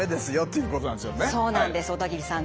そうなんです小田切さん。